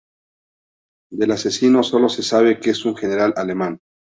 Del asesino sólo se sabe que es un general alemán.